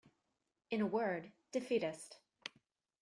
In a word, defeatist.